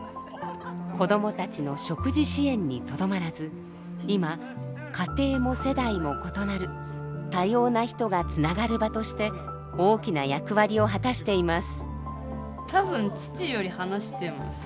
子供たちの食事支援にとどまらず今家庭も世代も異なる多様な人がつながる場として大きな役割を果たしています。